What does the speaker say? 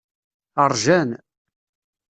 Ṛjan.